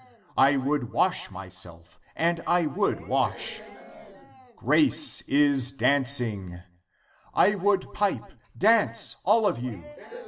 Amen. I would wash myself, and I would wash. Amen. Grace is dancing. I would pipe, dance all of you